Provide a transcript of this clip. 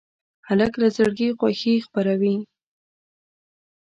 هلک له زړګي خوښي خپروي.